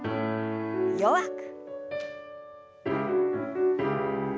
弱く。